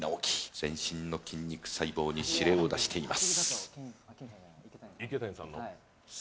全身の筋肉細胞の指令を出しています。